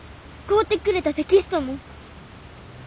買うてくれたテキストも。